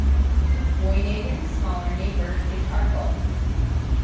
Foinaven's smaller neighbour is Arkle.